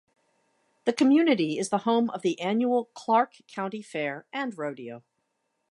The community is the home of the annual Clark County Fair and Rodeo.